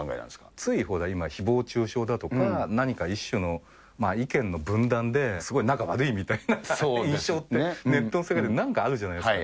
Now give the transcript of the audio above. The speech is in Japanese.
つい、ほら、ひぼう中傷だとか、何か一種の意見の分断ですごい仲悪いみたいな印象って、ネットの世界ではなんかあるじゃないですか。